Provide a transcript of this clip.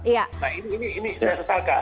nah ini saya kesal kan